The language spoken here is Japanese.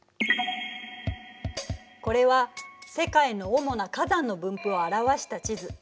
これは世界のおもな火山の分布を表した地図。